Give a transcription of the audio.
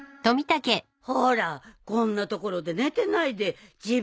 ほらこんな所で寝てないで自分の布団で寝るブー。